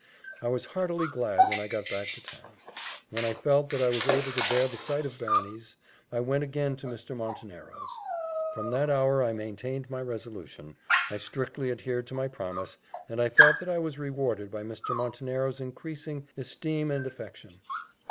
I was heartily glad when I got back to town. When I felt that I was able to bear the sight of Berenice, I went again to Mr. Montenero's. From that hour I maintained my resolution, I strictly adhered to my promise, and I felt that I was rewarded by Mr. Montenero's increasing esteem and affection.